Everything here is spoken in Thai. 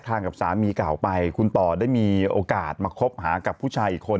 กับสามีเก่าไปคุณต่อได้มีโอกาสมาคบหากับผู้ชายอีกคน